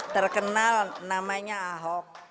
terkenal namanya ahok